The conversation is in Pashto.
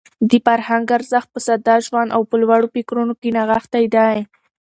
د فرهنګ ارزښت په ساده ژوند او په لوړو فکرونو کې نغښتی دی.